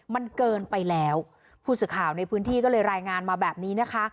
มันเกินไปแล้วผู้สื่อข่าวในพื้นที่ก็เลยรายงานมาแบบนี้นะคะ